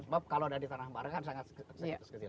sebab kalau dari tanah bareng kan sangat sekitar sekali gitu kan